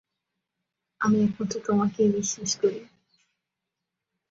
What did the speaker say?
আমি একমাত্র তোমাকেই বিশ্বাস করি।